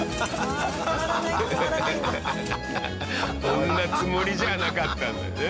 そんなつもりじゃなかったんだよね。